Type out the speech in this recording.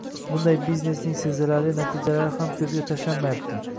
Bunday biznesning sezilarli natijalari ham ko‘zga tashlanmayapti.